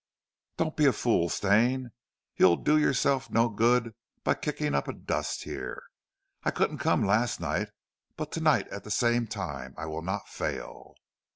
"Don't be a fool, Stane! You'll do yourself no good by kicking up a dust here. I couldn't come last night, but tonight at the same time I will not fail."